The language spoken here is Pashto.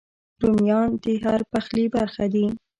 رومیان د هر پخلي برخه دي